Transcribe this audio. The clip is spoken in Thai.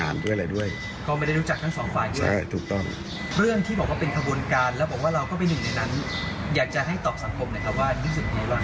อยากจะให้ตอบสังคมนะครับว่ารู้สึกดีหรือเปล่า